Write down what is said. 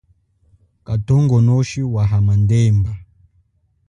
Kathongonoshi wa hamandemba.